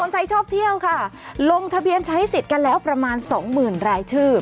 ไทยชอบเที่ยวค่ะลงทะเบียนใช้สิทธิ์กันแล้วประมาณสองหมื่นรายชื่อ